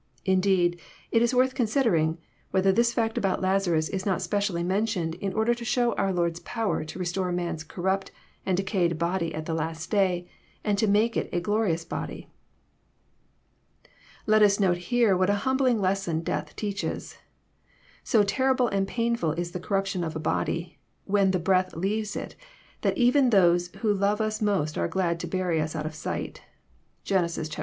Indeed, it is worth considering, whether this fact about Lazarus is not specially mentioned in order to show our Lord's power to restore man's corrupt and decayed body at the last day, and to make it a glori ous body. Let us note here what a humbling lesson death teaches. So terrible and painfhl is the corruption of a body, when the breath leaves it, that even those who love us most are glad to bury us out of sight. (Gen. zxiii.